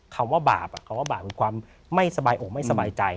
คำว่าบาปคำว่าบาปคือความไม่สบายอกไม่สบายใจ